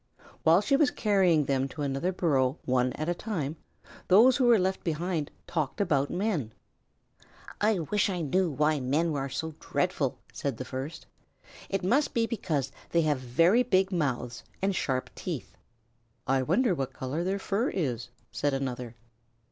While she was carrying them to another burrow one at a time, those who were left behind talked about men. "I wish I knew why men are so dreadful," said the first. "It must be because they have very big mouths and sharp teeth." "I wonder what color their fur is," said another.